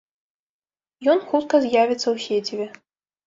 Ён хутка з'явіцца ў сеціве.